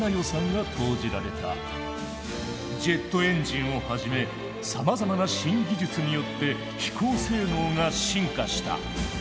ジェットエンジンをはじめさまざまな新技術によって飛行性能が進化した。